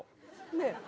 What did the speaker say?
ねえ。